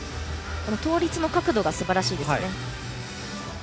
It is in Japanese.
倒立の角度がすばらしいですね。